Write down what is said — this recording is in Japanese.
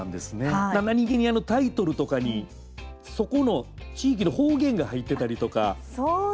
何気にタイトルとかにそこの地域の方言が入ってたりとか。